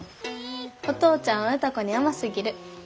お父ちゃんは歌子に甘すぎる。